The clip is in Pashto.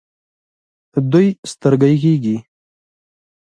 دوی سترګۍ کیږي.